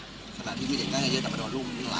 สำหรับพี่พี่เด็กนั้นยังไม่ได้ตัดมาด่อรุ่น